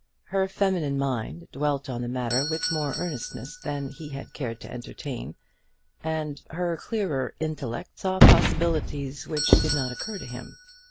Her feminine mind dwelt on the matter with more earnestness than he had cared to entertain, and her clearer intellect saw possibilities which did not occur to him.